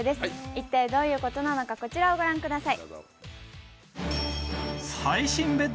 一体どういうことなのか、こちらを御覧ください。